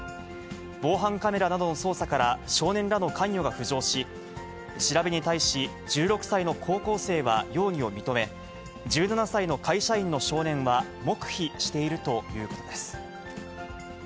防犯カメラなどの捜査から少年らの関与が浮上し、調べに対し、１６歳の高校生は容疑を認め、１７歳の会社員の少年は黙秘しているということです。